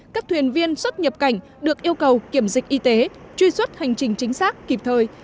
các thuyền viên xuất nhập cảnh được yêu cầu kiểm dịch y tế truy xuất hành trình chính xác kịp thời